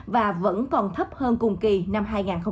và vẫn còn thấp hơn cùng kỳ năm hai nghìn một mươi tám